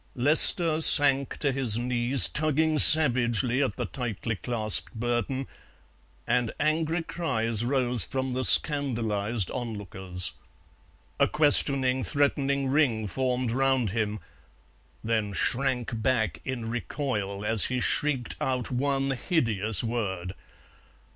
Lester sank to his knees, tugging savagely at the tightly clasped burden, and angry cries rose from the scandalized onlookers. A questioning, threatening ring formed round him, then shrank back in recoil as he shrieked out one hideous word.